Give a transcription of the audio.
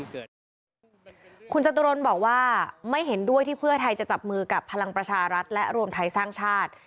คุณจตุรนบอกว่าไม่เห็นด้วยที่เพื่อไทยจะจับมือกับพลังประชารัฐและรวมไทยสร้างชาติ